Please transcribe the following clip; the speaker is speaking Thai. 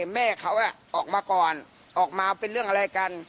แม่เขาออกมาก่อนออกมาเป็นเรื่องอะไรกัน